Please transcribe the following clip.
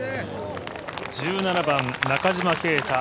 １７番、中島啓太